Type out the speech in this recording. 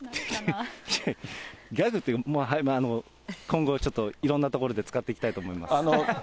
ギャグって、今後ちょっと、いろんなところで使っていきたいと思います。